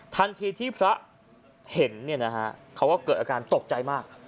ทันทีที่พระเห็นเขาก็เกิดอาการตกใจมาก